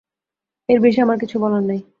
এর বেশি আমার কিছু বলার নেই।